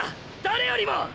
誰よりも！！